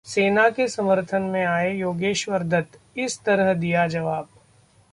सेना के समर्थन में आए योगेश्वर दत्त, इस तरह दिया जवाब